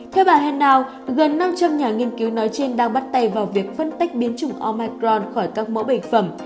theo bà hannao gần năm trăm linh nhà nghiên cứu nói trên đang bắt tay vào việc phân tách biến chủng omicron khỏi các mẫu bệnh phẩm